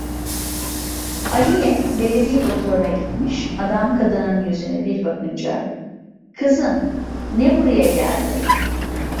Aliye, Belediye doktoruna gitmiş, adam kadının yüzüne bir bakınca: "Kızım, ne buraya geldin?"